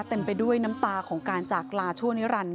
เต็มไปด้วยน้ำตาของการจากปลาชั่วนิรันดิ